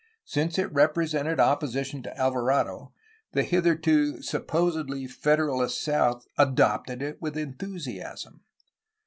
Since it represented opposition to Alvarado the hitherto (supposedly) federalist south adopted it with enthusiasm.